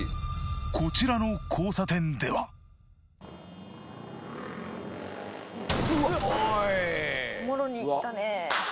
こちらの交差点ではもろにいったね